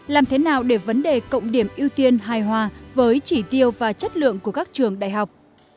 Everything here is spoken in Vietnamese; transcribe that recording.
làm thế nào để vấn đề cộng điểm ưu tiên hài hòa với chỉ tiêu và chất lượng của các trường đại học